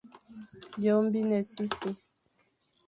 Byôm bi ne sisi,